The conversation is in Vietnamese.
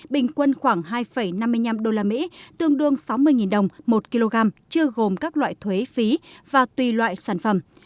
bình quân khoảng hai năm mươi năm usd tương đương sáu mươi đồng một kg chưa gồm các loại thuế phí và tùy loại sản phẩm